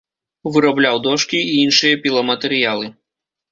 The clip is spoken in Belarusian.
Вырабляў дошкі і іншыя піламатэрыялы.